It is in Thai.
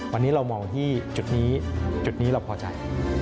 วันนี้เรามองที่จุดนี้จุดนี้เราพอใจ